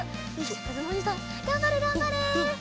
かずむおにいさんがんばれがんばれ！